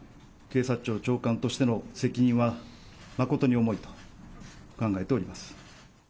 警察庁長官としての責任は誠に重いと考えております。